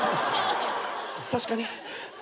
確かに。